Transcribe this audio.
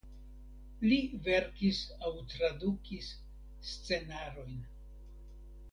Li verkis aŭ tradukis scenarojn.